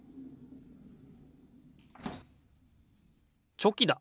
チョキだ。